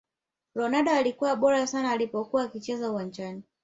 Ronaldo alikuwa bora sana alipokuwa akicheza uwanjani